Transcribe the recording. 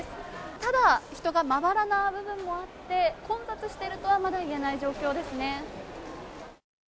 ただ人がまだらな部分もあって、混雑しているとはいえない状況ですね。